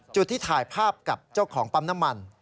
จุดที่ถ่ายภาพกับเจ้าของปั๊มน้ำมัน